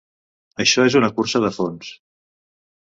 Això és una cursa de fons.